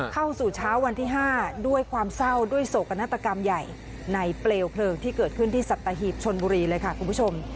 เข้าสู่เช้าวันที่๕ด้วยความเศร้าด้วยโศกนาฏกรรมใหญ่ในเปลวเพลิงที่เกิดขึ้นที่สัตหีบชนบุรีเลยค่ะคุณผู้ชม